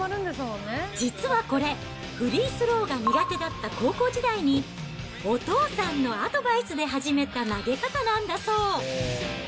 実はこれ、フリースローが苦手だった高校時代に、お父さんのアドバイスで始めた投げ方なんだそう。